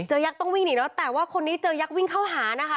ยักษ์ต้องวิ่งหนีเนอะแต่ว่าคนนี้เจอยักษ์วิ่งเข้าหานะคะ